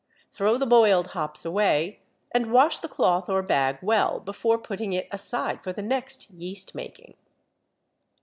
Throw the boiled hops away, and wash the cloth or bag well before putting it aside for the next yeast making.